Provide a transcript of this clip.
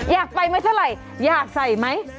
อยากไปไม่เท่าไหร่อยากใส่ไหม